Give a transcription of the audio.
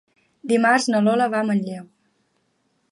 Dimarts na Lola va a Manlleu.